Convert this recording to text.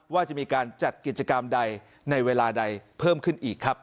ว่าจะมีการจัดกิจกรรมใดในเวลาใดเพิ่มขึ้นอีกครับ